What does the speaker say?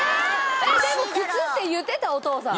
えっでも靴って言ってたお父さん。